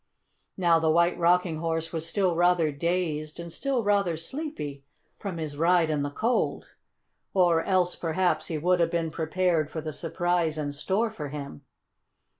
Now the White Rocking Horse was still rather dazed and still rather sleepy from his ride in the cold. Or else perhaps he would have been prepared for the surprise in store for him.